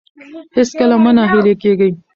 هېڅکله مه ناهیلي کیږئ.